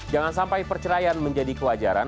jangan sampai perceraian menjadi kewajaran